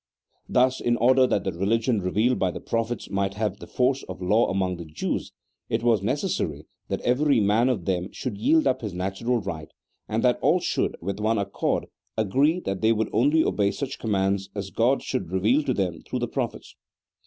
Thus, in order that the religion revealed by the prophets might have the force of law among the Jews, it was ne cessary that every man of them should yield uj) his natural right, and that all should, with one accord, agree that they would only obey such commands as God should reveal to them through the prophets.